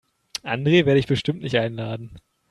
Andre werde ich bestimmt nicht einladen.